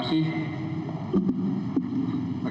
baik terima kasih